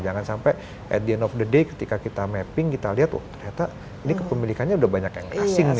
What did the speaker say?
jangan sampai at the end of the day ketika kita mapping kita lihat ternyata ini kepemilikannya udah banyak yang asing nih